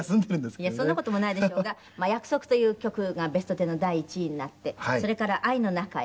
いやそんな事もないでしょうが『約束』という曲が『ベストテン』の第１位になってそれから『愛の中へ』。